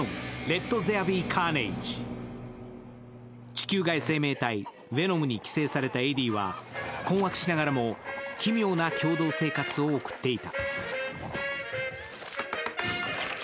地球外生命体ヴェノムに寄生されたエディは困惑しながらも奇妙な共同生活を送っている。